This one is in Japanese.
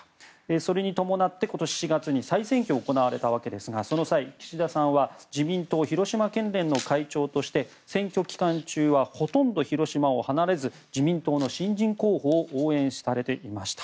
それに伴って今年４月に再選挙が行われたわけですがその際、岸田さんは自民党広島県連の会長として選挙期間中はほとんど広島を離れず自民党の新人候補を応援されていました。